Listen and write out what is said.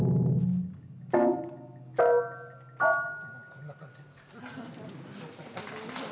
こんな感じです。